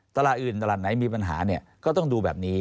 ตลาดอื่นตลาดไหนมีปัญหาเนี่ยก็ต้องดูแบบนี้